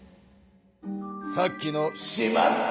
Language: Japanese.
さっきの「しまった！」